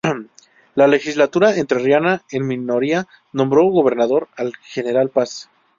La legislatura entrerriana, en minoría, nombró gobernador al general Paz.